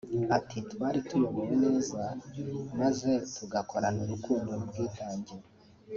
Ati “Twari tuyobowe neza maze tugakorana urukundo n’ubwitange